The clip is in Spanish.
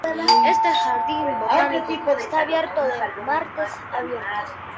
Este jardín botánico está abierto de martes a viernes.